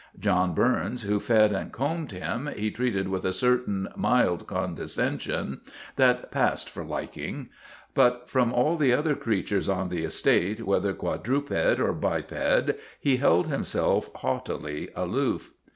John Burns, who fed and combed him, he treated with a certain mild condescension that passed for liking, but from all the other creatures 1 76 THE BLOOD OF HIS FATHERS on the estate, whether quadruped or biped, he held himself haughtily aloof.